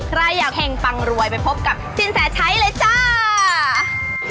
ใครอยากเห็งปังรวยไปพบกับสินแสชัยเลยจ้า